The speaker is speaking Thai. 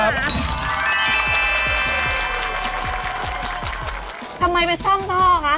ทำไมไปซ่อมพ่อคะ